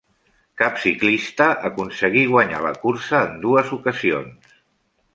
Cap ciclista aconseguí guanyar la cursa en dues ocasions.